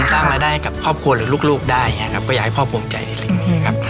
สร้างรายได้กับครอบครัวหรือลูกได้อย่างนี้ครับก็อยากให้พ่อภูมิใจในสิ่งนี้ครับ